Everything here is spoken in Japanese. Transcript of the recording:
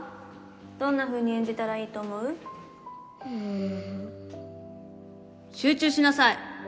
どんな風に演じたらいいと思うん集中しなさい。